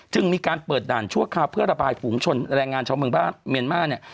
จึงมีการเปิดด่านชั่วคราวเพื่อระบายฝูงชนแรงงานชาวเมืองเมียนมาส์